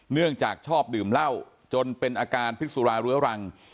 เนื่องจากชอบดื่มเหล้าจนเป็นอาการพิษสุราเรื้อรัง